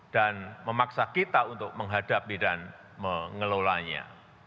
dan memaksa kita untuk menghadapi dan mengelolanya